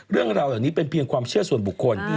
เรื่องราวเหล่านี้เป็นเพียงความเชื่อส่วนบุคคล